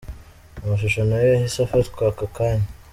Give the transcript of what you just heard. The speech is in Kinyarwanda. Amashusho nayo yahise afatwa ako kanya.